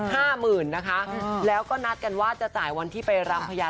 ๕๐๐๐๐บาทนะคะแล้วก็นัดกันว่าจะจ่ายวันที่ไปลำพระยา